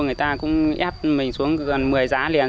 người ta cũng ép mình xuống gần một mươi giá liền